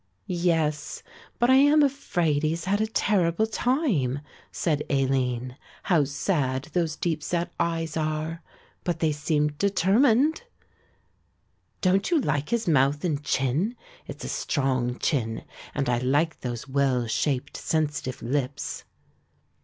"Yes, but I am afraid he has had a terrible time," said Aline; "how sad those deep set eyes are; but they seem determined." "Don't you like his mouth and chin? It's a strong chin and I like those well shaped sensitive lips."